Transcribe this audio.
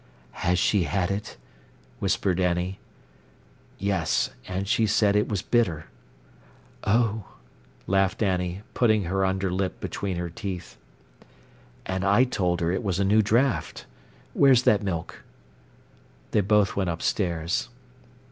"Has she had it?" whispered Annie. "Yes—and she said it was bitter." "Oh!" laughed Annie, putting her under lip between her teeth. "And I told her it was a new draught. Where's that milk?" They both went upstairs.